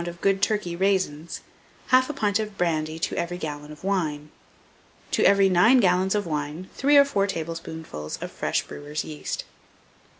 of good Turkey raisins; 1/2 pint of brandy to every gallon of wine. To every 9 gallons of wine 3 or 4 tablespoonfuls of fresh brewer's yeast.